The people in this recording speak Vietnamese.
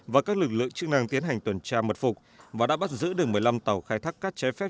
và các lực lượng chức năng tiến hành tuần tra mật phục và đã bắt giữ được một mươi năm tàu khai thác cát trái phép